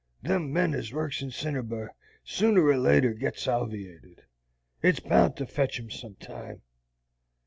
Them men as works in cinnabar sooner or later gets salviated. It's bound to fetch 'em some time.